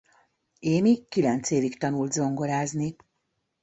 Amy kilenc évig tanult zongorázni.